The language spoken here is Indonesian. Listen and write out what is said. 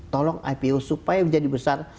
tolong ipo supaya menjadi besar